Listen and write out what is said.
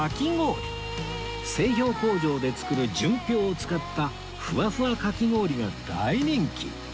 製氷工場で作る純氷を使ったフワフワかき氷が大人気！